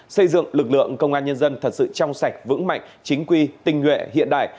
xây dựng lực lượng công an nhân dân thật sự trong sạch vững mạnh chính quy tinh nguyện hiện đại